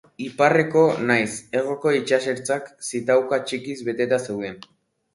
Iparreko nahiz hegoko itsasertzak zitauka txikiz beteta zeuden.